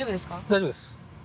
大丈夫です。